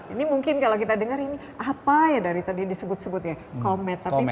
ini mungkin kalau kita dengar ini apa ya dari tadi disebut sebut ya komet